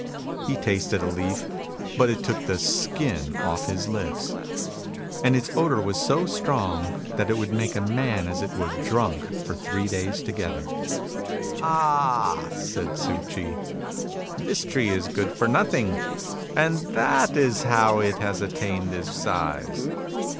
He tasted a leaf, but it took the skin off his lips ; and its odour was so strong that it would make a man as it were drunk for three days together. "Ah!" saidTzuCh'i. " This tree is good for nothing, and that is how it has attained this size.